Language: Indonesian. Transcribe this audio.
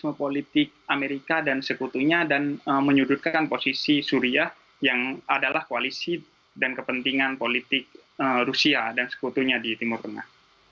dan juga mengundangkan kepentingan politik amerika dan seputunya dan menyudutkan posisi syria yang adalah koalisi dan kepentingan politik rusia dan seputunya di timur tengah